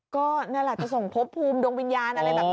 ก็นั่นแหละจะส่งพบภูมิดวงวิญญาณอะไรแบบนี้